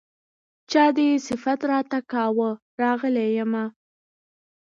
چا دې صفت راته کاوه راغلی يمه